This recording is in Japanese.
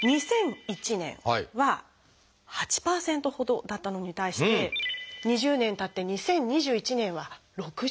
２００１年は８％ほどだったのに対して２０年たって２０２１年は６０％。